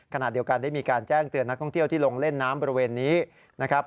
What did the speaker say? ขณะเดียวกันได้มีการแจ้งเตือนนักท่องเที่ยวที่ลงเล่นน้ำบริเวณนี้นะครับ